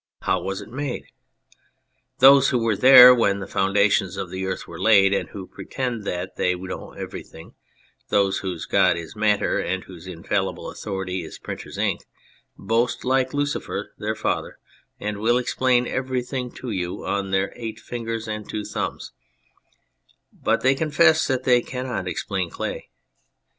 How was it 9 On Anything made t Those who were there when the foundations of the earth were laid and who pretend that they know everything, those whose god is matter and whose infallible authority is printer's ink, boast like Lucifer their father, and will explain every thing to you on their eight fingers and two thumbs but they confess that they cannot explain clay.